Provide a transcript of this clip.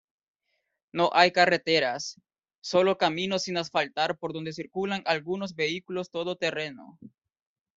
No hay carreteras, solo caminos sin asfaltar por donde circulan algunos vehículos todo terreno.